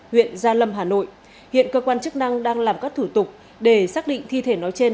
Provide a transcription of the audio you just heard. huyện gia lâm hà nội hiện cơ quan chức năng đang làm các thủ tục để xác định thi thể nói trên